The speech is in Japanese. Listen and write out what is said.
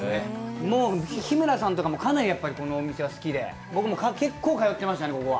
日村さんとかもかなりこのお店は好きで僕も結構通ってましたね、ここは。